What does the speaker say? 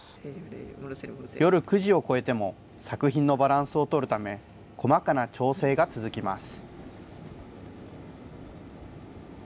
夜９時を超えても、作品のバランスをとるため、細かな調整が続きます。